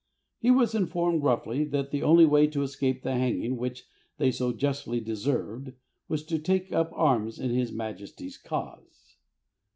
He was informed roughly that the only way to escape the hanging which they so justly deserved was to take up arms in his Majesty's cause.